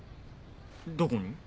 どこに？